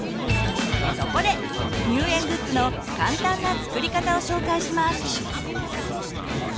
そこで入園グッズの簡単な作り方を紹介します。